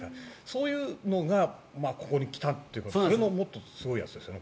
そういうのがここに来たというかそれもすごいですよね。